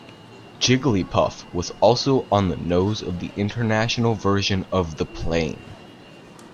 Jigglypuff was also on the nose of the international version of the plane.